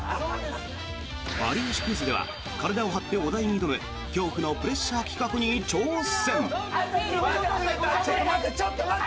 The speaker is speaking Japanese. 「有吉クイズ」では体を張ってお題に挑む恐怖のプレッシャー企画に挑戦！